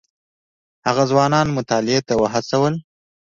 هغه ځوانان مطالعې ته وهڅول.